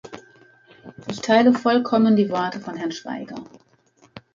Ich teile vollkommen die Worte von Herrn Schwaiger.